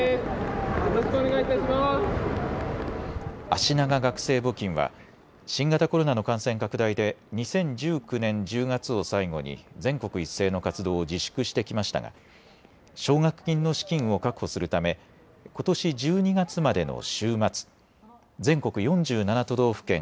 あしなが学生募金は新型コロナの感染拡大で２０１９年１０月を最後に全国一斉の活動を自粛してきましたが奨学金の資金を確保するためことし１２月までの週末、全国４７都道府県